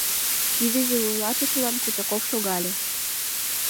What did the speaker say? Дивизий вуйлатышылан Кутяков шогале...